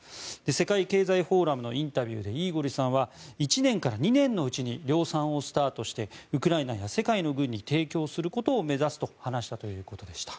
世界経済フォーラムのインタビューで、イーゴリさんは１年から２年のうちに量産をスタートしてウクライナや世界の軍に提供することを目指すと話したということでした。